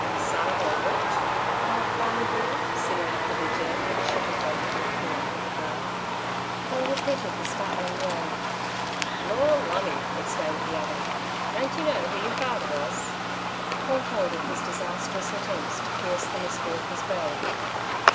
"Son of a WOT?" cried Barney Bill, sitting up with a jerk that shook a volume or two onto the ground. Paul repeated the startling word. "Lor' lumme!" exclaimed the other, "don't yer know who yer father was?" Paul told of his disastrous attempts to pierce the mystery of his birth.